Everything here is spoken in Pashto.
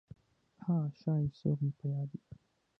«ها… ښایي څوک مې په یاد وي!»